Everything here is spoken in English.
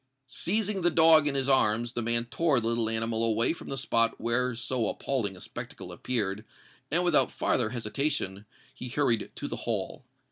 Seizing the dog in his arms, the man tore the little animal away from the spot where so appalling a spectacle appeared; and, without farther hesitation, he hurried to the Hall.